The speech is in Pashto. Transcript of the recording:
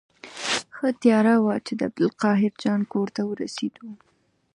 ښه تیاره وه چې د عبدالقاهر جان کور ته ورسېدو.